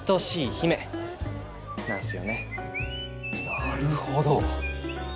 なるほど！